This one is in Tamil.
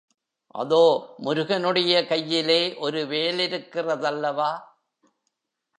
அதோ முருகனுடைய கையிலே ஒரு வேலிருக்கிறதல்லவா?